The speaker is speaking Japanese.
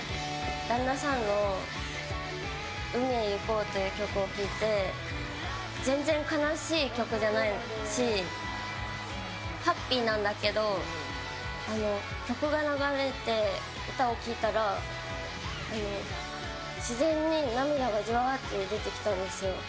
旦那さんの「海へ行こう」という曲を聴いて全然悲しい曲じゃないしハッピーなんだけど曲が流れて歌を聴いたら自然に涙がじわっと出てきたんですよ。